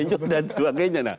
benjol dan sebagainya